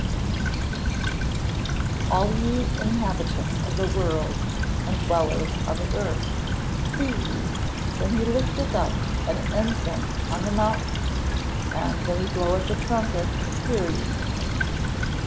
[Verse: "All ye inhabitants of the world, and dwellers on the earth, see ye, when he lifteth up an ensign on the mountains; and when he bloweth a trumpet, hear ye."